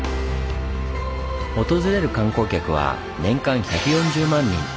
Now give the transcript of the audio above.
訪れる観光客は年間１４０万人。